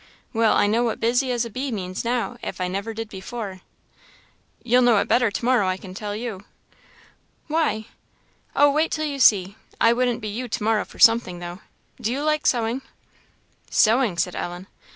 Well, I know what 'busy as a bee' means now, if I never did before." "You'll know it better to morrow, I can tell you." "Why?" "Oh, wait till you see. I wouldn't be you to morrow for something, though. Do you like sewing?" "Sewing!" said Ellen.